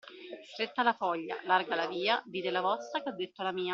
Stretta la foglia, larga la via, dite la vostra che ho detto la mia.